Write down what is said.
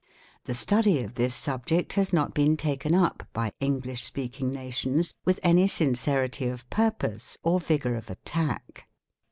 The study of this subject has not been taken up _ by English speaking nations with any sincerity of purpose or vigour of attack.